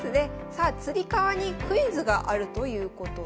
さあつり革にクイズがあるということです。